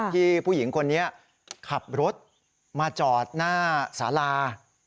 ผู้หญิงคนนี้ขับรถมาจอดหน้าสารา